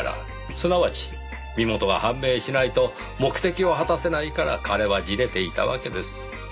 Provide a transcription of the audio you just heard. すなわち身元が判明しないと目的を果たせないから彼は焦れていたわけです。